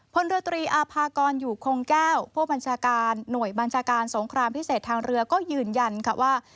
พลเรือตรีอาภากรอยู่คงแก้วผู้บัญชาการหน่วยบัญชาการสงครามพิเศษทางเรือก็ยืนยันค่ะว่า